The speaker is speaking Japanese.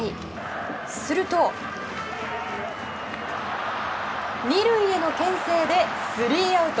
すると２塁への牽制でスリーアウト。